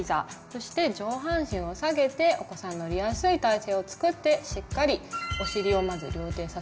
そして上半身を下げてお子さんが乗りやすい体勢をつくってしっかりおしりをまず両手で支えます。